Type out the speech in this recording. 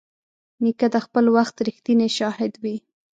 نیکه د خپل وخت رښتینی شاهد وي.